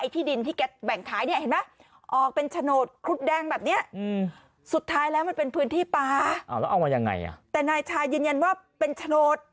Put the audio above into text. แต่นายชายยืนยันว่าเป็นโฉนด